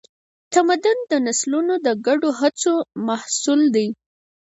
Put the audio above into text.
تمدن د نسلونو د ګډو هڅو محصول دی.